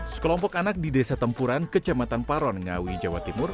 sekelompok anak di desa tempuran kecamatan paron ngawi jawa timur